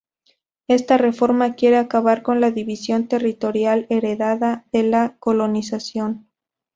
Esta reforma quiere acabar con la división territorial heredada de la colonización.